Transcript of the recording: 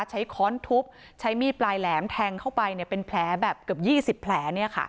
ค้อนทุบใช้มีดปลายแหลมแทงเข้าไปเป็นแผลแบบเกือบ๒๐แผล